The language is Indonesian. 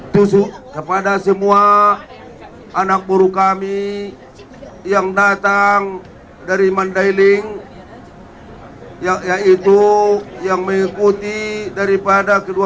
tusuk kepada semua anak buruh kami yang datang dari mandailing yaitu yang mengikuti daripada kedua